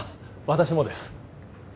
私もです